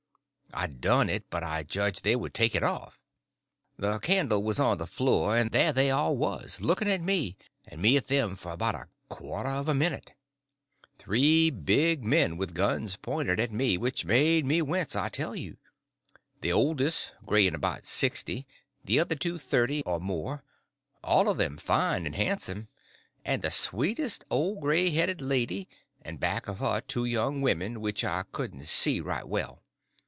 I done it, but I judged they would take it off. The candle was on the floor, and there they all was, looking at me, and me at them, for about a quarter of a minute: Three big men with guns pointed at me, which made me wince, I tell you; the oldest, gray and about sixty, the other two thirty or more—all of them fine and handsome—and the sweetest old gray headed lady, and back of her two young women which I couldn't see right well.